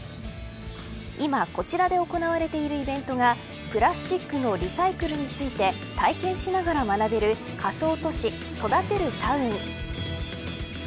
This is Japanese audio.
今こちらで行われているイベントがプラスチックのリサイクルについて体験しながら学べる仮想都市、そだてるタウン。